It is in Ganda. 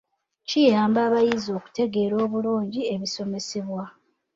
Kiyamba abayizi okutegeera obulungi ebisomesebwa.